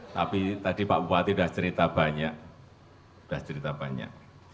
tapi tadi pak bupati sudah cerita banyak sudah cerita banyak